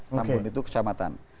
tambun itu kesempatan